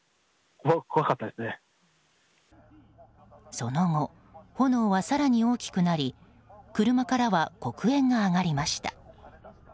その後、炎は更に大きくなり車からは黒煙が上がりました。